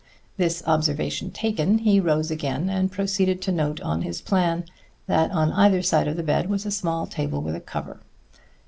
This observation taken, he rose again and proceeded to note on his plan that on either side of the bed was a small table with a cover.